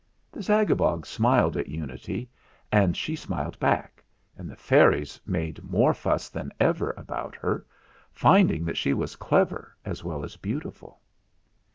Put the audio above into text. The Zagabog smiled at Unity and she smiled back, and the fairies made more fuss than ever about her, finding that she was clever as well as beautiful.